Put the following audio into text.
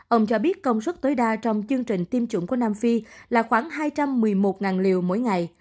ông cho biết công suất tối đa trong chương trình tiêm chủng của nam phi là khoảng hai trăm một mươi một liều mỗi ngày